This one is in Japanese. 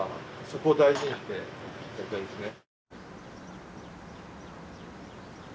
そこを大事にしてやりたいですね。